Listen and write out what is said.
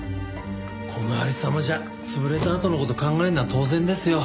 この有り様じゃ潰れたあとの事考えるのは当然ですよ。